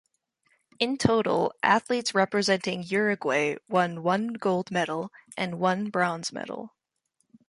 In total athletes representing Uruguay won one gold medal and one bronze medal.